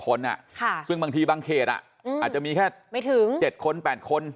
เป็น๒๐คนซึ่งบางทีบางเขตอาจจะมีแค่๗คน๘คน